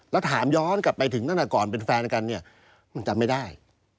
แล้วถามย้อนกลับไปถึงตั้งแต่ก่อนเป็นแฟนกันเนี่ยมันจำไม่ได้